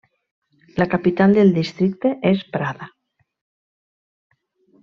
La capital del districte és Prada.